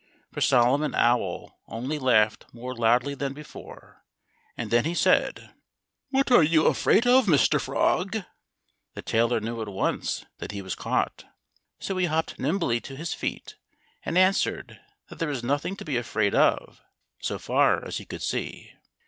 For Solomon Owl only laughed more loudly than before. And then he said: "What are you afraid of, Mr. Frog?" The tailor knew at once that he was caught. So he hopped nimbly to his feet and answered that there was nothing to be afraid of, so far as he could see.